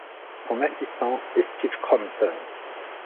Son assistant est Steve Crompton.